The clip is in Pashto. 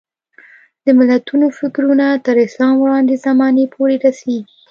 د متلونو فکرونه تر اسلام وړاندې زمانې پورې رسېږي